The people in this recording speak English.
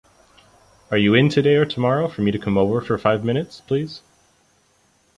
Are you in today or tomorrow for me to come over for five minutes please?